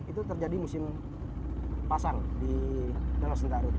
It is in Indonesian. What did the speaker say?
itu terjadi musim pasang di danau sentarrut